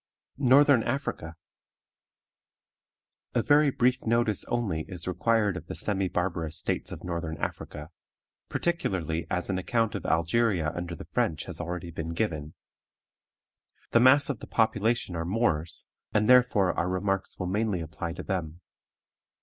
NORTHERN AFRICA. A very brief notice only is required of the semi barbarous states of Northern Africa, particularly as an account of Algeria under the French has already been given. The mass of the population are Moors, and therefore our remarks will mainly apply to them.